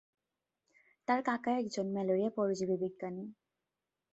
তাঁর কাকা একজন ম্যালেরিয়া পরজীবীবিজ্ঞানী।